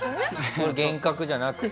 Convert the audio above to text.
これ幻覚じゃなくて？